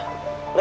gitar sih kenapa